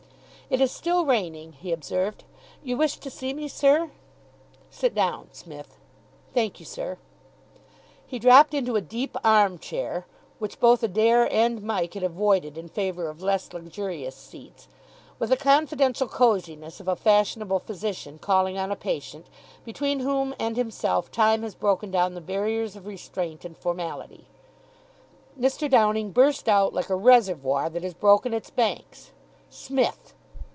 "It is still raining," he observed. "You wished to see me, sir?" "Sit down, Smith." "Thank you, sir." He dropped into a deep arm chair (which both Adair and Mike had avoided in favour of less luxurious seats) with the confidential cosiness of a fashionable physician calling on a patient, between whom and himself time has broken down the barriers of restraint and formality. Mr. Downing burst out, like a reservoir that has broken its banks. "Smith."